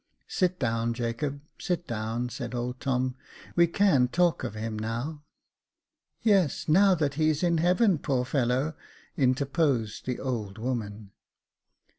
Sit down, Jacob, sit down," said old Tom ;*' we can talk of him now." " Yes, now that he's in heaven, poor fellow !" inter posed the old woman.